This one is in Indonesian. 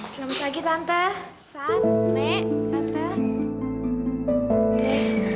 selamat pagi tante sat nek tante